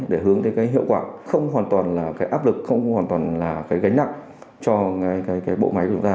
để hướng tới cái hiệu quả không hoàn toàn là cái áp lực không hoàn toàn là cái gánh nặng cho cái bộ máy của chúng ta